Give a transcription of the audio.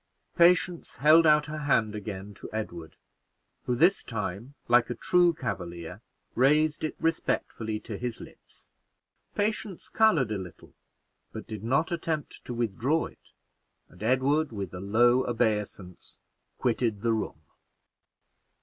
Patience held out her hand again to Edward, who this time, like a true Cavalier, raised it respectfully to his lips. Patience colored a little, but did not attempt to withdraw it, and Edward, with a low obeisance, quitted the room.